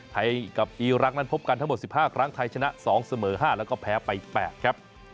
ไทยกับอีรักษ์นั้นพบกันทั้งหมด๑๕ครั้งไทยชนะ๒เสมอ๕แล้วก็แพ้ไป๘ครับ